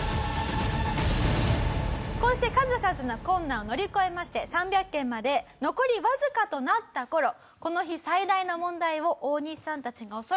こうして数々の困難を乗り越えまして３００件まで残りわずかとなった頃この日最大の問題がオオニシさんたちを襲います。